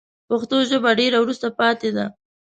پښتو ژبه ډېره وروسته پاته ده